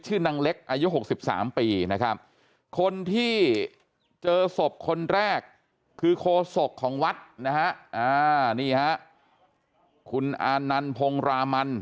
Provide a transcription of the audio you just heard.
นางเล็กอายุ๖๓ปีนะครับคนที่เจอศพคนแรกคือโคศกของวัดนะฮะนี่ฮะคุณอานันพงรามัน